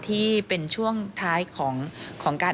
ที่เป็นช่วงท้ายของการ